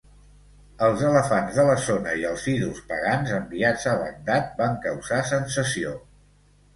Els elefants de la zona i els ídols pagans, enviats a Bagdad, van causar sensació.